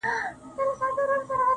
د اختر وروسته نوی ځان